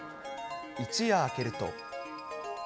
一夜明けると。